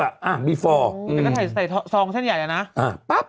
แล้วก็ใส่ทองสองเส้นใหญ่แล้วนะ